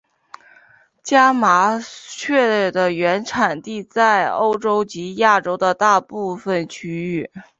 家麻雀的原产地在欧洲及亚洲的大部份区域。